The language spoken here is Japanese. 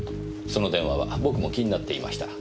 その電話は僕も気になっていました。